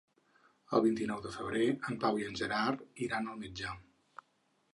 El vint-i-nou de febrer en Pau i en Gerard iran al metge.